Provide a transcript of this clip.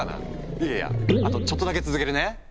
いやいやあとちょっとだけ続けるね。